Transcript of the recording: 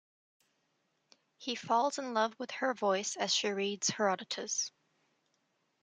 He falls in love with her voice as she reads Herodotus.